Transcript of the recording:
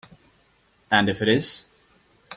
And if it is?